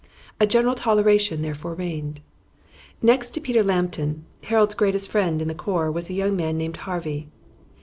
A general toleration therefore reigned. Next to Peter Lambton, Harold's greatest friend in the corps was a young man named Harvey.